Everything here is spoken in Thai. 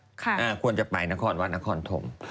คุณควรจะไปนครวัฒนธรรม